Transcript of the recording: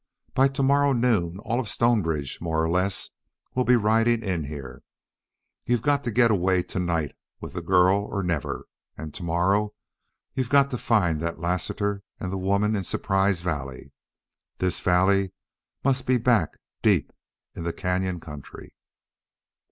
By tomorrow noon all of Stonebridge, more or less, will be riding in here. You've got to get away to night with the girl or never! And to morrow you've got to find that Lassiter and the woman in Surprise Valley. This valley must be back, deep in the cañon country.